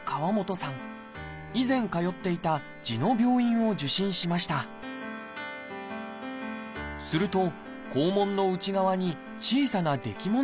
以前通っていた痔の病院を受診しましたすると肛門の内側に小さなできものが見つかりました。